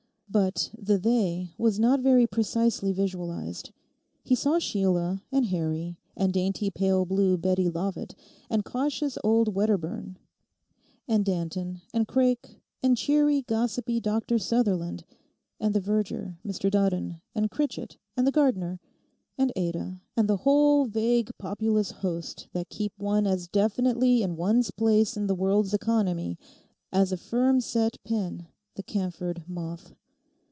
But the 'they' was not very precisely visualised. He saw Sheila, and Harry, and dainty pale blue Bettie Lovat, and cautious old Wedderburn, and Danton, and Craik, and cheery, gossipy Dr Sutherland, and the verger, Mr Dutton, and Critchett, and the gardener, and Ada, and the whole vague populous host that keep one as definitely in one's place in the world's economy as a firm set pin the camphored moth.